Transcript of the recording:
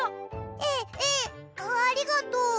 えっえっありがとう。